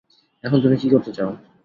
এখন তুমি কী করতে চাও?